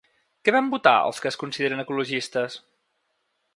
Què van votar els que es consideren ecologistes?